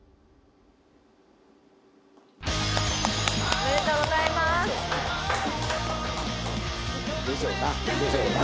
おめでとうございます！でしょうな。でしょうな。